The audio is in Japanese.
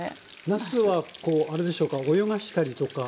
なすはこうあれでしょうか泳がしたりとか。